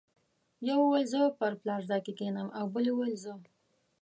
یو ویل زه پر پلار ځای کېنم او بل ویل زه.